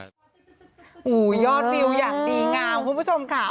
โอ้โหยอดวิวอย่างดีงามคุณผู้ชมค่ะ